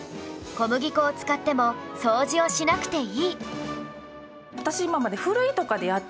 小麦粉を使っても掃除をしなくていい